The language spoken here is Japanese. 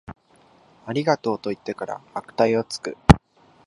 ありがとう、と言ってから悪態をつく